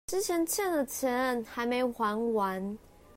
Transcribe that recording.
之前欠的錢還沒還完